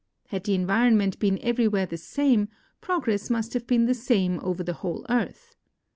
Had the environment l)een everywhere the same, progress must have been the same over the whole earth.